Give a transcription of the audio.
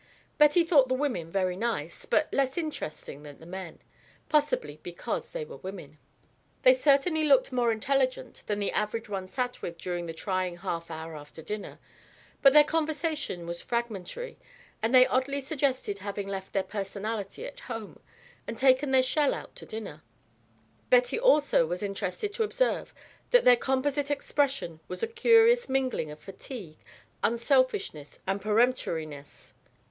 Betty thought the women very nice, but less interesting than the men, possibly because they were women. They certainly looked more intelligent than the average one sat with during the trying half hour after dinner; but their conversation was fragmentary, and they oddly suggested having left their personality at home and taken their shell out to dinner. Betty also was interested to observe that their composite expression was a curious mingling of fatigue, unselfishness, and peremptoriness.